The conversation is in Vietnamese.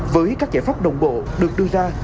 với các giải pháp đồng bộ được đưa ra